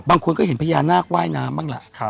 บางคนก็เห็นพระยานทร์นากว่ายน้ำมั่นแหละ